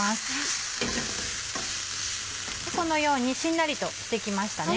このようにしんなりとして来ましたね。